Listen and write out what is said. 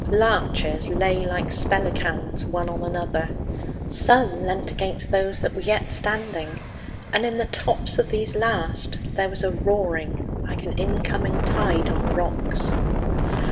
Larches lay like spellicans one on another. Some leant against those that were yet standing, and in the tops of these last there was a roaring like an incoming tide on rocks.